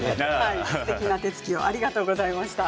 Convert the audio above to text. すてきな手つきをありがとうございました。